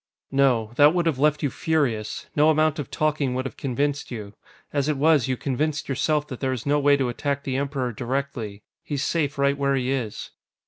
"No. That would have left you furious. No amount of talking would have convinced you. As it was, you convinced yourself that there is no way to attack the Emperor directly. He's safe right where he is."